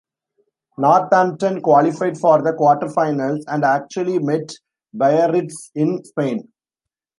Northampton qualified for the quarter-finals and actually met Biarritz in Spain.